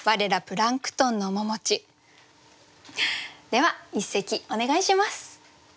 では一席お願いします。